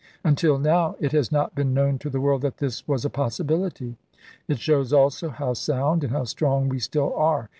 Until now, it has not been known to the world that this was a possibility. It shows, also, how sound and how strong we still are.